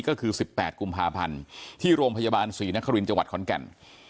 ก็คือ๑๘กุมภาพันธ์ที่โรงพยาบาลศรีนครินทร์จังหวัดขอนแก่น